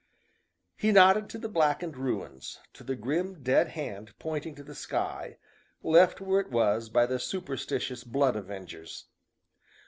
He nodded to the blackened ruins, to the grim dead hand pointing to the sky, left where it was by the superstitious blood avengers.